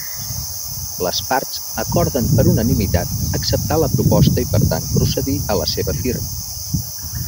Les parts acorden per unanimitat acceptar la proposta i per tant procedir a la seva firma.